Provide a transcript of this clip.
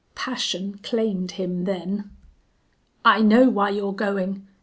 "] Passion claimed him then. "I know why you're going.